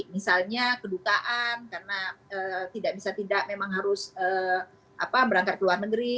misalnya kedutaan karena tidak bisa tidak memang harus berangkat ke luar negeri